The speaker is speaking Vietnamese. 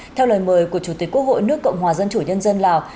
theo lời mời của chủ tịch quốc hội nước cộng hòa dân chủ nhân dân lào